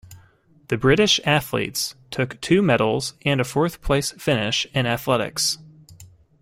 The British athletes took two medals and a fourth-place finish in athletics.